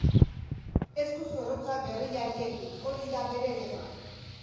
Esku zorrotza gerrillariekin, hori da bere lema.